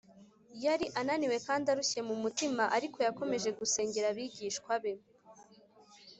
yari ananiwe kandi arushye mu mutima, ariko yakomeje gusengera abigishwa be